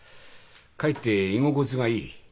かえって居心地がいい。